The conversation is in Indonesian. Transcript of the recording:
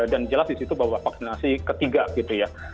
dan jelas disitu bahwa vaksinasi ketiga gitu ya